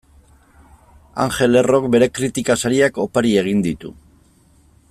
Angel Errok bere kritika sariak opari egin ditu.